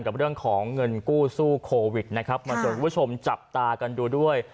กับเรื่องของเงินกู้สู้โควิดนะครับมาชวนคุณผู้ชมจับตากันดูด้วย